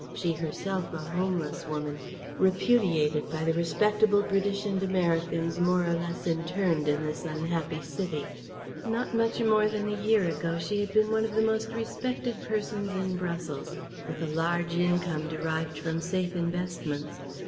She herself a homeless woman, repudiated by the respectable British and Americans more or less interned in this unhappy city. Not much more than a year ago she had been one of the most respected persons in Brussels, with a large income derived from safe investments.